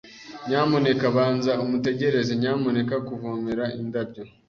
Nyamuneka banza umutegereze. Nyamuneka kuvomera indabyo.